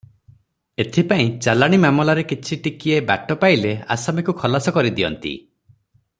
ଏଥି ପାଇଁ ଚାଲାଣି ମାମଲାରେ କିଛି ଟିକିଏ ବାଟ ପାଇଲେ ଆସାମୀକୁ ଖଲାସ କରି ଦିଅନ୍ତି ।